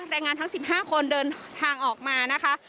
แรงงานทั้ง๑๕คนเดินทางออกมานะคะ